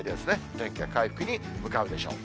天気は回復に向かうでしょう。